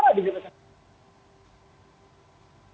tidak ada masalah